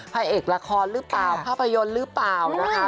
พลัยเอกละครรึเปล่าภาพยนตร์รึเปล่านะคะ